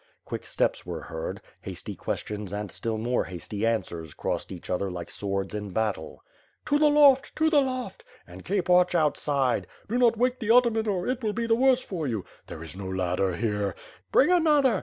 Quick steps were heard; hasty questions and still more hasty answers crossed each other like swords in battle. "To the loft! To the loft!" "And keep watch outside!" "Do not wake the ataman or it will be the worse for you!" "There is no ladder here!" "Bring another!"